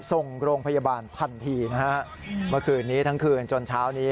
ส่งโรงพยาบาลทันทีนะฮะเมื่อคืนนี้ทั้งคืนจนเช้านี้